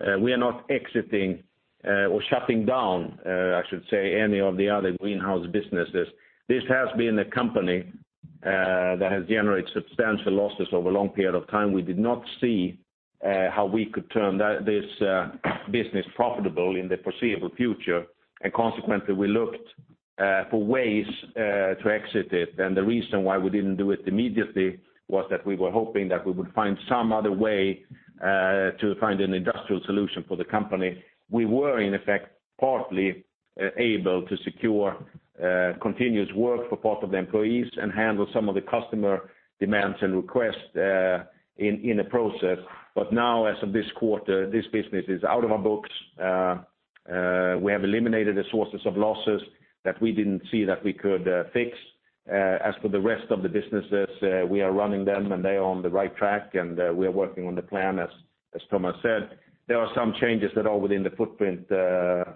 not exiting or shutting down, I should say, any of the other Greenhouse businesses. This has been a company that has generated substantial losses over a long period of time. We did not see how we could turn this business profitable in the foreseeable future, and consequently, we looked for ways to exit it. The reason why we didn't do it immediately was that we were hoping that we would find some other way to find an industrial solution for the company. We were, in effect, partly able to secure continuous work for part of the employees and handle some of the customer demands and requests in the process. Now, as of this quarter, this business is out of our books. We have eliminated the sources of losses that we didn't see that we could fix. As for the rest of the businesses, we are running them, and they are on the right track, and we are working on the plan, as Tom said. There are some changes that are within the footprint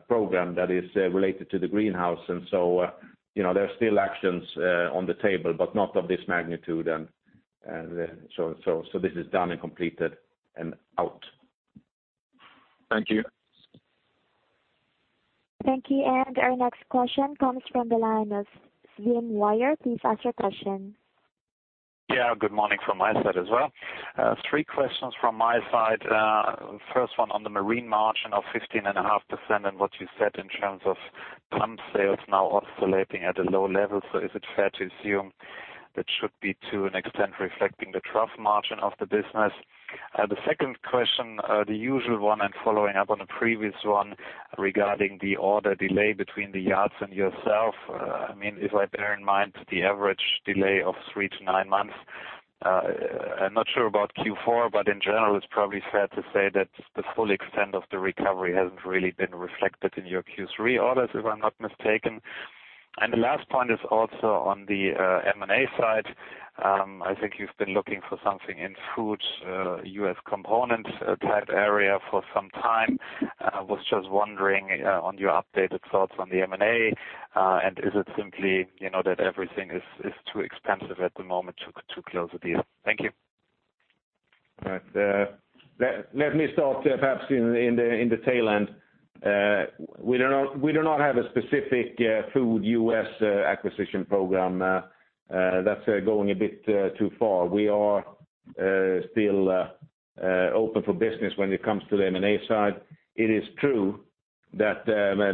program that is related to the Greenhouse. There are still actions on the table, but not of this magnitude, and so this is done and completed and out. Thank you. Thank you. Our next question comes from the line of Sven Weier. Please ask your question. Yeah. Good morning from my side as well. Three questions from my side. First one on the marine margin of 15.5% and what you said in terms of pump sales now oscillating at a low level. Is it fair to assume that should be, to an extent, reflecting the trough margin of the business? The second question, the usual one and following up on a previous one regarding the order delay between the yards and yourself. If I bear in mind the average delay of three to nine months, I'm not sure about Q4, but in general, it's probably fair to say that the full extent of the recovery hasn't really been reflected in your Q3 orders, if I'm not mistaken. The last point is also on the M&A side. I think you've been looking for something in food, U.S. components type area for some time. I was just wondering on your updated thoughts on the M&A, is it simply that everything is too expensive at the moment to close a deal? Thank you. Right. Let me start perhaps in the tail end. We do not have a specific food U.S. acquisition program. That's going a bit too far. We are still open for business when it comes to the M&A side. It is true that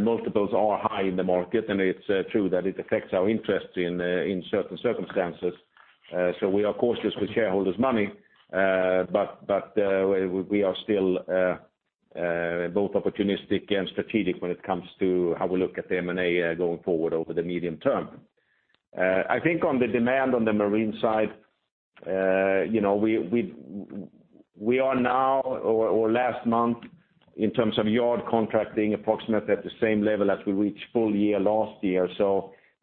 multiples are high in the market, and it's true that it affects our interest in certain circumstances. We are cautious with shareholders' money, but we are still both opportunistic and strategic when it comes to how we look at the M&A going forward over the medium term. I think on the demand on the marine side, we are now, or last month, in terms of yard contracting, approximately at the same level as we reached full year last year.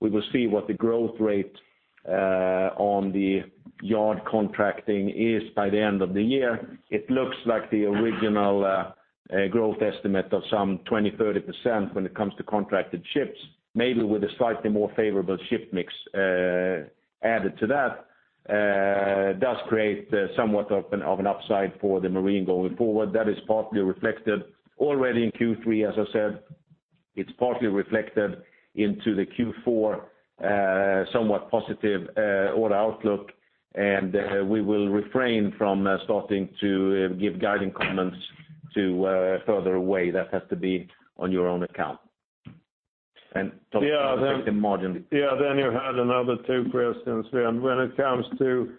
We will see what the growth rate on the yard contracting is by the end of the year. It looks like the original growth estimate of some 20%, 30% when it comes to contracted ships, maybe with a slightly more favorable ship mix added to that, does create somewhat of an upside for the marine going forward. That is partly reflected already in Q3, as I said. It's partly reflected into the Q4 somewhat positive order outlook, we will refrain from starting to give guiding comments to further away. That has to be on your own account. Talking about the margin- Yeah. You had another two questions. When it comes to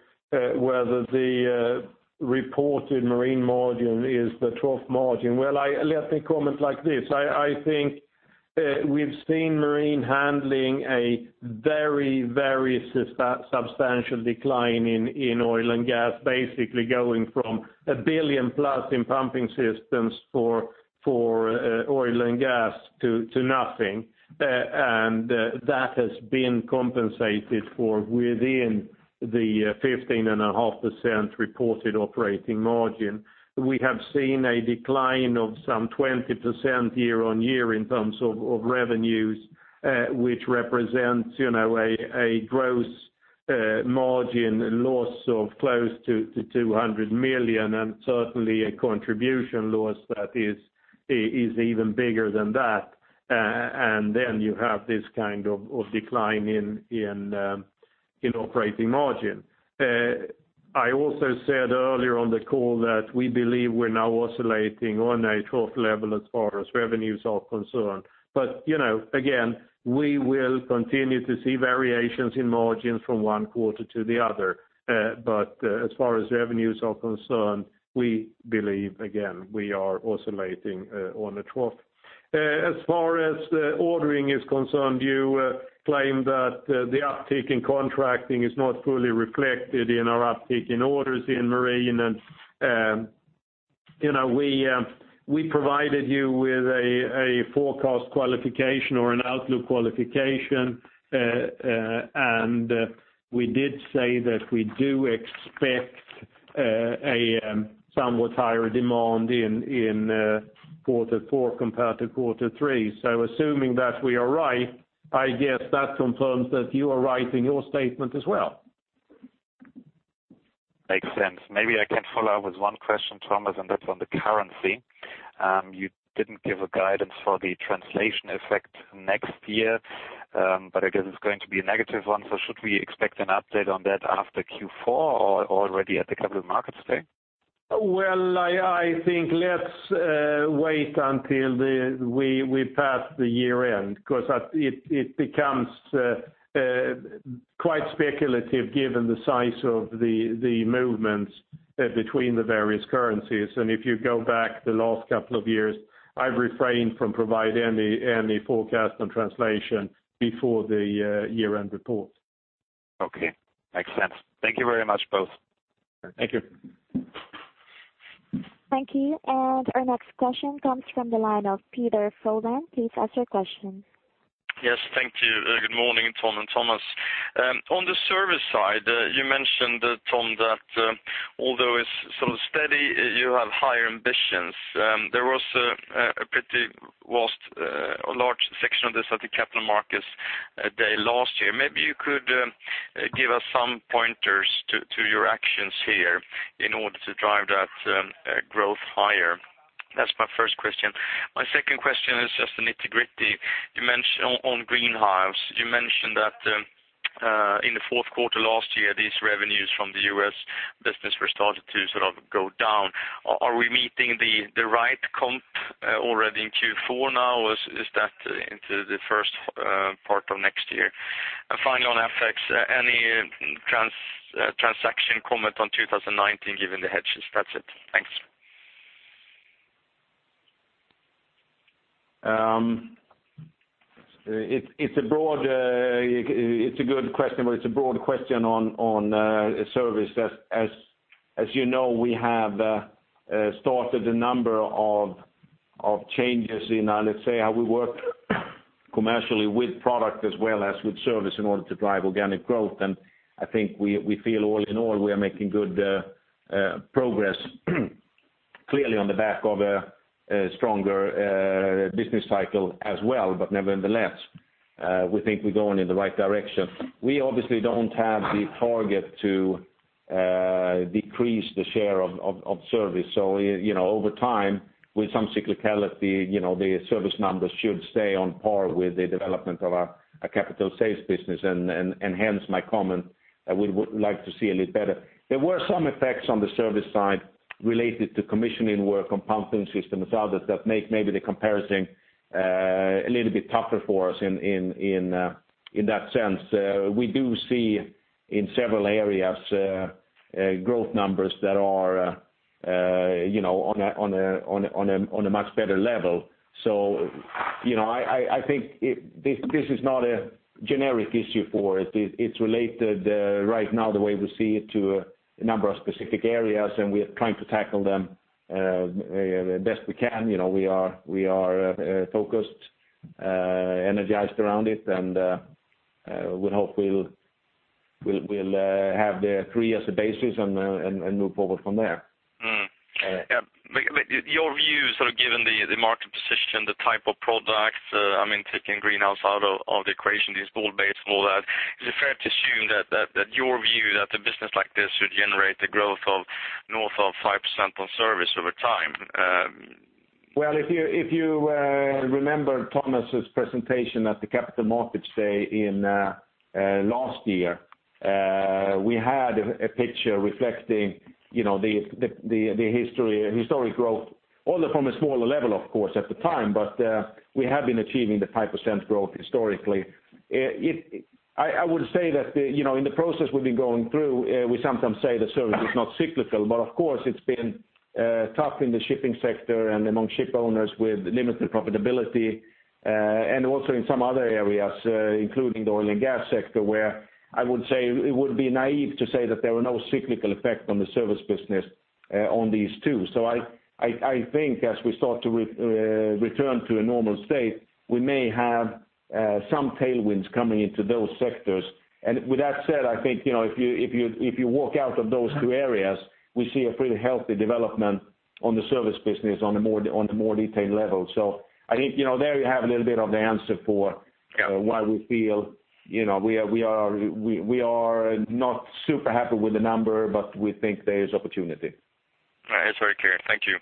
whether the reported marine margin is the trough margin, well, let me comment like this. I think we've seen marine handling a very substantial decline in oil and gas, basically going from a billion-plus in pumping systems for oil and gas to nothing. That has been compensated for within the 15.5% reported operating margin. We have seen a decline of some 20% year-over-year in terms of revenues, which represents a gross margin loss of close to 200 million, certainly a contribution loss that is even bigger than that. You have this kind of decline in operating margin. I also said earlier on the call that we believe we're now oscillating on a trough level as far as revenues are concerned. Again, we will continue to see variations in margins from one quarter to the other. As far as revenues are concerned, we believe, again, we are oscillating on a trough. As far as ordering is concerned, you claim that the uptick in contracting is not fully reflected in our uptick in orders in marine, we provided you with a forecast qualification or an outlook qualification, we did say that we do expect a somewhat higher demand in quarter four compared to quarter three. Assuming that we are right, I guess that confirms that you are right in your statement as well. Makes sense. Maybe I can follow up with one question, Thomas, and that's on the currency. You didn't give a guidance for the translation effect next year, but I guess it's going to be a negative one. Should we expect an update on that after Q4 or already at the Capital Markets Day? Well, I think let's wait until we pass the year-end, because it becomes quite speculative given the size of the movements between the various currencies. If you go back the last couple of years, I've refrained from providing any forecast on translation before the year-end report. Okay. Makes sense. Thank you very much, both. Thank you. Thank you. Our next question comes from the line of Peder Frölén. Please ask your question. Yes. Thank you. Good morning, Tom and Thomas. On the service side, you mentioned, Tom, that although it's sort of steady, you have higher ambitions. There was a large section of this at the Capital Markets Day last year. Maybe you could give us some pointers to your actions here in order to drive that growth higher. That's my first question. My second question is just the nitty-gritty. You mentioned on greenhouses, you mentioned that in the fourth quarter last year, these revenues from the U.S. business started to sort of go down. Are we meeting the right comp already in Q4 now, or is that into the first part of next year? Finally, on FX, any transaction comment on 2019 given the hedges? That's it. Thanks. It's a good question, it's a broad question on service. As you know, we have started a number of changes in, let's say, how we work commercially with product as well as with service in order to drive organic growth. I think we feel all in all, we are making good progress, clearly on the back of a stronger business cycle as well. Nevertheless, we think we're going in the right direction. We obviously don't have the target to decrease the share of service. Over time, with some cyclicality, the service numbers should stay on par with the development of our capital sales business and hence my comment that we would like to see a little better. There were some effects on the service side related to commissioning work on pumping systems and others that make maybe the comparison a little bit tougher for us in that sense. We do see in several areas growth numbers that are on a much better level. I think this is not a generic issue for us. It's related right now, the way we see it, to a number of specific areas, and we are trying to tackle them the best we can. We are focused, energized around it, and we hope we'll have the three as a basis and move forward from there. Your view, sort of given the market position, the type of products, taking Greenhouse out of the equation, these ballast and all that, is it fair to assume that your view that a business like this should generate the growth of north of 5% on service over time? Well, if you remember Thomas' presentation at the Capital Markets Day last year, we had a picture reflecting the historic growth, although from a smaller level, of course, at the time, but we have been achieving the 5% growth historically. I would say that in the process we've been going through, we sometimes say the service is not cyclical, but of course it's been tough in the shipping sector and among ship owners with limited profitability, and also in some other areas, including the oil and gas sector, where I would say it would be naive to say that there were no cyclical effect on the service business on these two. I think as we start to return to a normal state, we may have some tailwinds coming into those sectors. With that said, I think, if you walk out of those two areas, we see a pretty healthy development on the service business on the more detailed level. I think there you have a little bit of the answer for Yeah why we feel we are not super happy with the number, but we think there is opportunity. It's very clear. Thank you.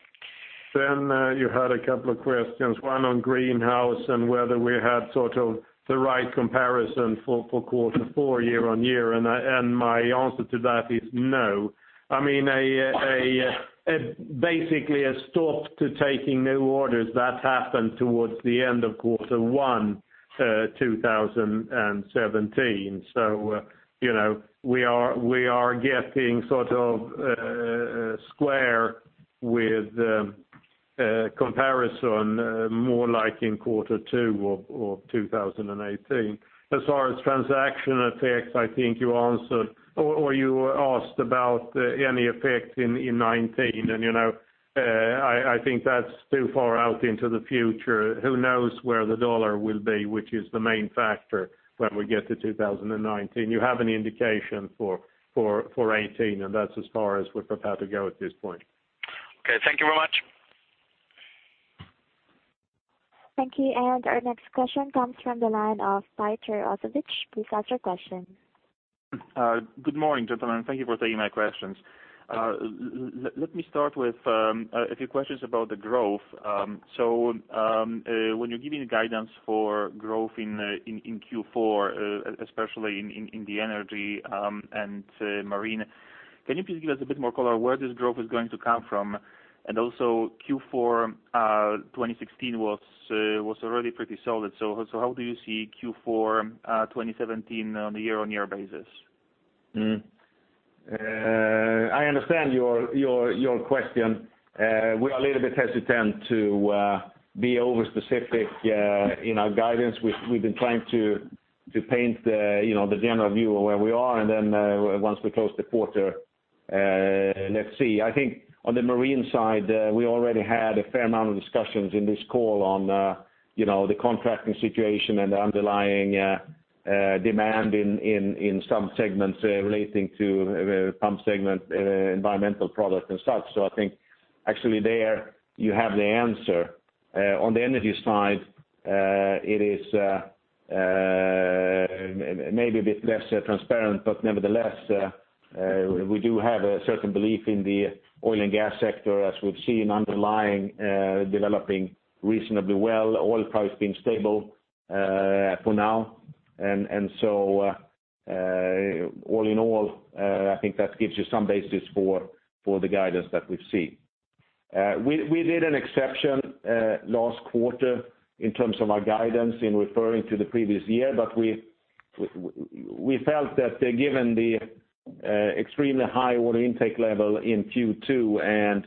You had a couple of questions, one on Greenhouse and whether we had sort of the right comparison for Q4 year-over-year, and my answer to that is no. A stop to taking new orders, that happened towards the end of Q1 2017. We are getting sort of square with comparison more like in Q2 2018. As far as transaction effects, I think you asked about any effect in 2019. I think that's too far out into the future. Who knows where the dollar will be, which is the main factor when we get to 2019. You have any indication for 2018, and that's as far as we're prepared to go at this point. Okay. Thank you very much. Thank you. Our next question comes from the line of Peter Frolund. Please ask your question. Good morning, gentlemen. Thank you for taking my questions. Let me start with a few questions about the growth. When you're giving guidance for growth in Q4, especially in the energy and marine, can you please give us a bit more color where this growth is going to come from? Q4 2016 was already pretty solid. How do you see Q4 2017 on a year-on-year basis? I understand your question. We're a little bit hesitant to be over-specific in our guidance. We've been trying to paint the general view of where we are, and then once we close the quarter, let's see. I think on the marine side, we already had a fair amount of discussions in this call on the contracting situation and the underlying demand in some segments relating to some segment environmental products and such. I think actually there you have the answer. On the energy side, it is maybe a bit less transparent, but nevertheless, we do have a certain belief in the oil and gas sector, as we've seen underlying developing reasonably well, oil price being stable for now. All in all, I think that gives you some basis for the guidance that we've seen. We did an exception last quarter in terms of our guidance in referring to the previous year. We felt that, given the extremely high order intake level in Q2,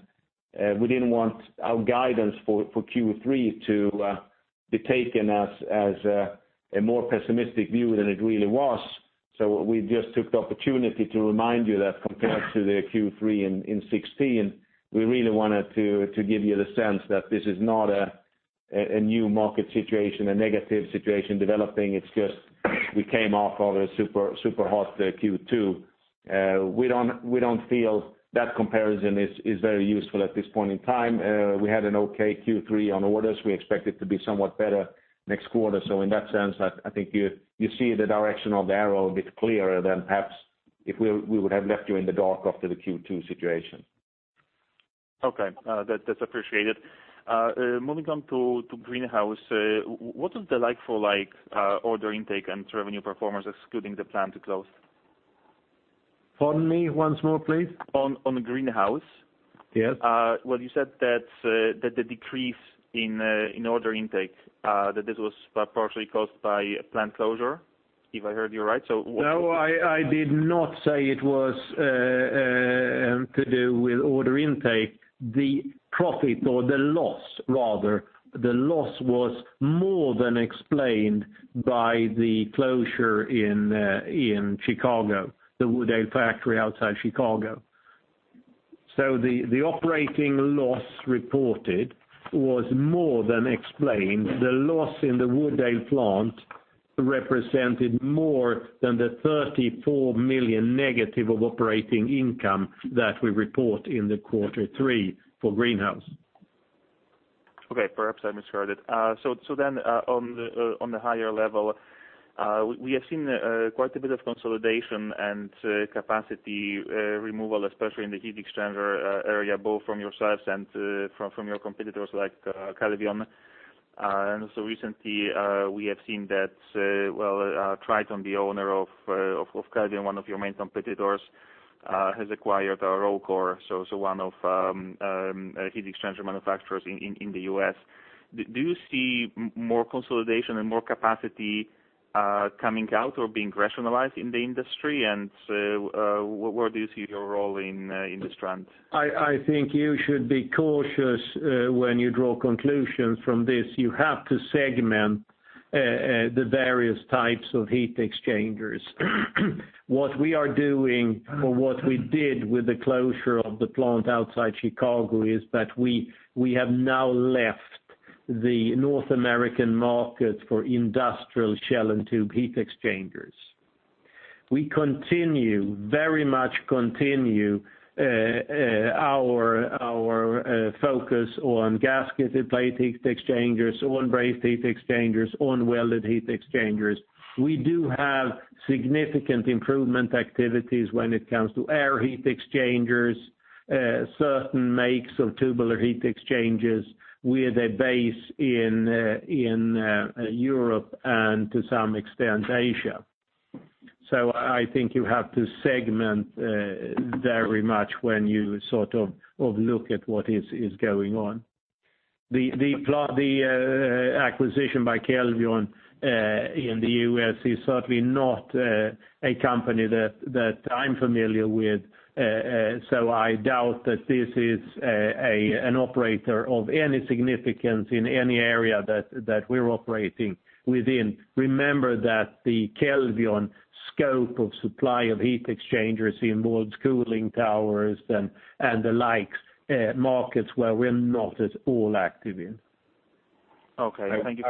we didn't want our guidance for Q3 to be taken as a more pessimistic view than it really was. We just took the opportunity to remind you that compared to the Q3 in 2016, we really wanted to give you the sense that this is not a new market situation, a negative situation developing. It's just we came off of a super hot Q2. We don't feel that comparison is very useful at this point in time. We had an okay Q3 on orders. We expect it to be somewhat better next quarter. In that sense, I think you see the direction of the arrow a bit clearer than perhaps if we would have left you in the dark after the Q2 situation. Okay. That's appreciated. Moving on to Greenhouse, what is it like for order intake and revenue performance excluding the plant close? Pardon me once more, please. On Greenhouse. Yes. Well, you said that the decrease in order intake, that this was partially caused by a plant closure, if I heard you right. No, I did not say it was to do with order intake. The profit, or the loss, rather, the loss was more than explained by the closure in Chicago, the Wood Dale factory outside Chicago. The operating loss reported was more than explained. The loss in the Wood Dale plant represented more than the 34 million negative of operating income that we report in the quarter three for Greenhouse. Okay, perhaps I misheard it. On the higher level, we have seen quite a bit of consolidation and capacity removal, especially in the heat exchanger area, both from yourselves and from your competitors, like Kelvion. Recently, we have seen that, well, Triton, the owner of Kelvion, one of your main competitors, has acquired Rocore, so one of heat exchanger manufacturers in the U.S. Do you see more consolidation and more capacity coming out or being rationalized in the industry? Where do you see your role in this trend? I think you should be cautious when you draw conclusions from this. You have to segment the various types of heat exchangers. What we are doing, or what we did with the closure of the plant outside Chicago, is that we have now left the North American market for industrial shell-and-tube heat exchangers. We continue, very much continue, our focus on gasketed plate heat exchangers, on brazed heat exchangers, on welded heat exchangers. We do have significant improvement activities when it comes to air heat exchangers, certain makes of tubular heat exchangers with a base in Europe and to some extent, Asia. I think you have to segment very much when you look at what is going on. The acquisition by Kelvion in the U.S. is certainly not a company that I'm familiar with, so I doubt that this is an operator of any significance in any area that we're operating within. Remember that the Kelvion scope of supply of heat exchangers involves cooling towers and the likes, markets where we're not at all active in. Okay. Thank you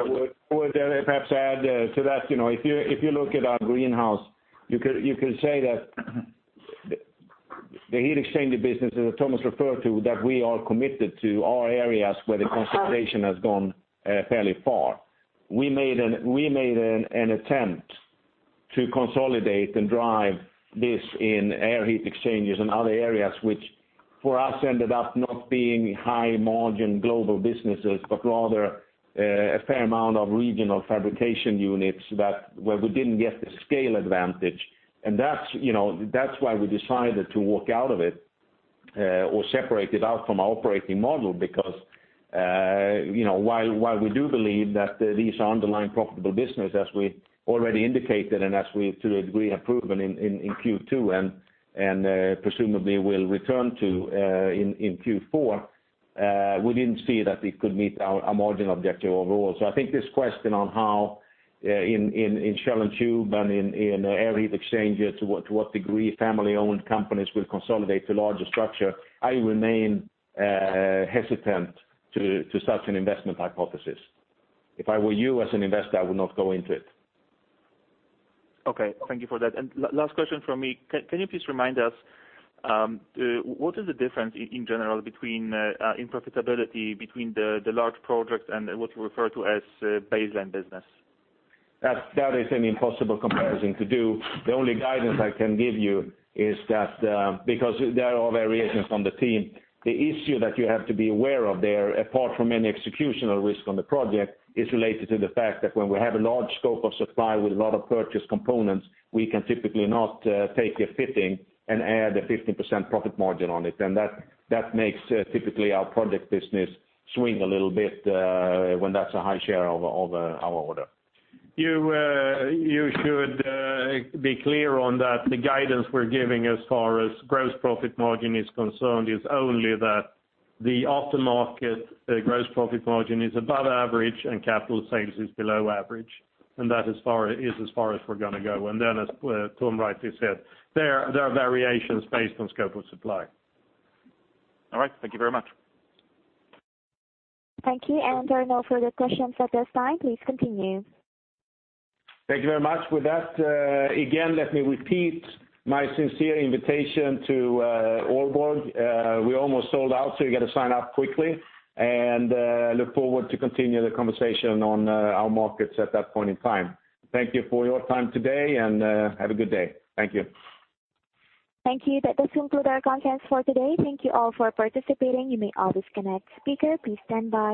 for- I would perhaps add to that, if you look at our Greenhouse, you could say that the heat exchanger business, as Thomas referred to, that we are committed to our areas where the consolidation has gone fairly far. We made an attempt to consolidate and drive this in air heat exchangers and other areas, which for us ended up not being high-margin global businesses, but rather a fair amount of regional fabrication units where we didn't get the scale advantage. That's why we decided to walk out of it, or separate it out from our operating model because while we do believe that these are underlying profitable business, as we already indicated, and as we to a degree have proven in Q2 and presumably will return to in Q4, we didn't see that it could meet our margin objective overall. I think this question on how in shell and tube and in air heat exchangers, to what degree family-owned companies will consolidate to larger structure, I remain hesitant to such an investment hypothesis. If I were you as an investor, I would not go into it. Okay. Thank you for that. Last question from me. Can you please remind us, what is the difference, in general, in profitability between the large projects and what you refer to as baseline business? That is an impossible comparison to do. The only guidance I can give you is that because there are variations on the team, the issue that you have to be aware of there, apart from any executional risk on the project, is related to the fact that when we have a large scope of supply with a lot of purchased components, we can typically not take a fitting and add a 50% profit margin on it. That makes typically our project business swing a little bit when that's a high share of our order. You should be clear on that the guidance we're giving as far as gross profit margin is concerned is only that the aftermarket gross profit margin is above average and capital sales is below average, and that is as far as we're going to go. Then as Tom rightly said, there are variations based on scope of supply. All right. Thank you very much. Thank you. There are no further questions at this time. Please continue. Thank you very much. With that, again, let me repeat my sincere invitation to Aalborg. We are almost sold out, so you got to sign up quickly, and look forward to continue the conversation on our markets at that point in time. Thank you for your time today, and have a good day. Thank you. Thank you. That does conclude our conference for today. Thank you all for participating. You may all disconnect. Speaker, please stand by.